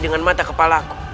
dengan mata kepalaku